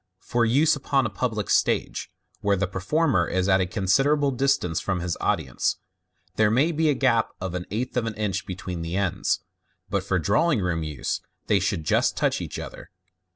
For use upon a public stage, where the performer is at a considerable distance from his audience, there may oe a gap of an eighth of an inch between the ends, but for drawing room use, they should just touch each other.